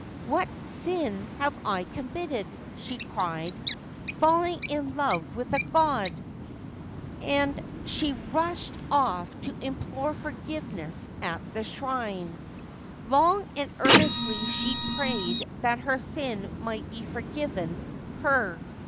' What sin have I committed/ she cried, ' falling in love with a god ?' And she rushed off to implore forgiveness at the shrine. Long and earnestly she prayed that her sin might be forgiven her.